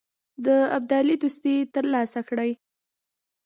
د ابدالي دوستي تر لاسه کړي.